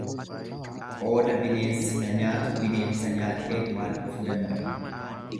Qooda bineensi na nyaatu, bineensa nyaadheen waan dhufu danda'a.